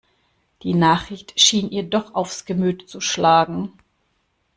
Die Nachricht schien ihr doch aufs Gemüt zu schlagen.